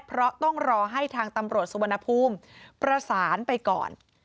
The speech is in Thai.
เพราะต้องรอให้ทางตำรวจสุวรรณภูมิประสานไปก่อน